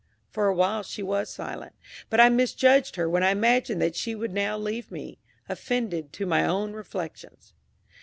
For a while she was silent, but I misjudged her when I imagined that she would now leave me, offended, to my own reflections.